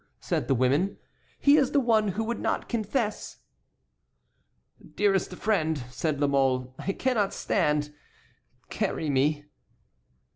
said the women; "he is the one who would not confess." "Dearest friend," said La Mole, "I cannot stand. Carry me!"